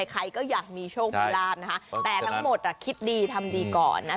ใครก็อยากมีโชคมีลาบนะคะแต่ทั้งหมดคิดดีทำดีก่อนนะ